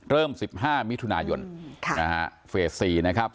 เริ่ม๑๕มิถุนายนเฟส๔นะครับ